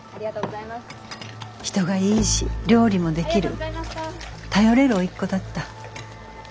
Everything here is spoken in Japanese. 人がいいし料理もできる頼れる甥っ子だった。